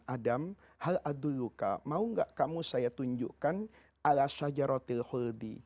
adam hal adu luka mau gak kamu saya tunjukkan ala syajaratil khuldi